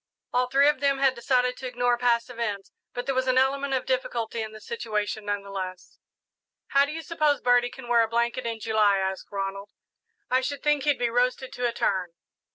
All three of them had decided to ignore past events, but there was an element of difficulty in the situation, none the less. "How do you suppose Birdie can wear a blanket in July?" asked Ronald. "I should think he'd be roasted to a turn."